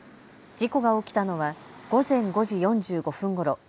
事故が起きたのは午前５時４５分ごろ。